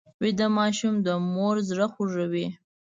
ویده ماشوم د مور زړه خوږوي